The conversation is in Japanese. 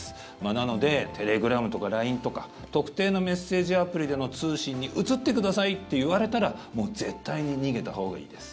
なのでテレグラムとかＬＩＮＥとか特定のメッセージアプリでの通信に移ってくださいと言われたら絶対に逃げたほうがいいです。